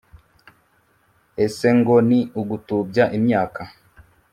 ese ngo ni ugutubya imyaka.